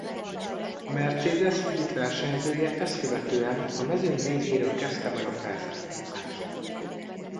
A Mercedes brit versenyzője ezt követően a mezőny végéről kezdte meg a felzárkózást.